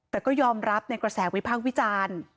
แต่ก็ยอมรับในกระแสวิพากษ์วิจารณ์